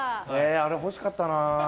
あれ欲しかったな。